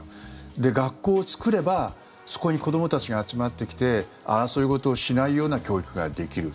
学校を作ればそこに子どもたちが集まってきて争い事をしないような教育ができる。